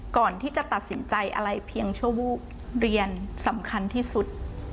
ก่อนที่จะตัดสินใจอะไรเพียงชั่ววูบเรียนสำคัญที่สุด